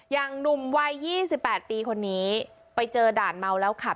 อย่างหนุ่มวัย๒๘ปีคนนี้ไปเจอด่านเมาแล้วขับ